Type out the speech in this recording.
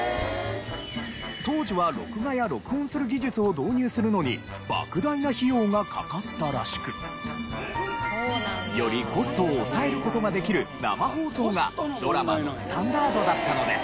当時は録画や録音する技術を導入するのに莫大な費用がかかったらしく。よりコストを抑える事ができる生放送がドラマのスタンダードだったのです。